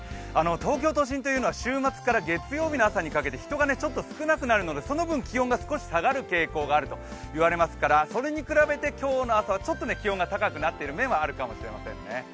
東京都心というのは週末から月曜日の朝にかけて人がちょっと少なくなるのでその分、気温が下がる傾向にあるといわれますからそれに比べて今日の朝はちょっと気温が高くなっている面はあるかもしれないですね。